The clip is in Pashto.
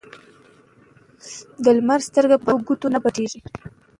ـ د لمر سترګه په دو ګوتو نه پټيږي.